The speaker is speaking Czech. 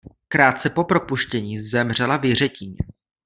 Krátce po propuštění zemřela v Jiřetíně.